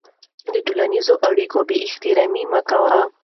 د ټولنیزو اړیکو بېاحترامي مه کوه.